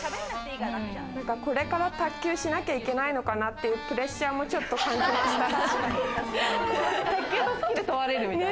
これから卓球しなきゃいけないのかなっていうプレッシャーもちょっと感じました。